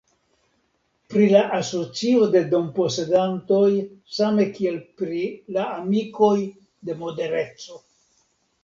Pri la asocio de domposedantoj same kiel pri la amikoj de modereco.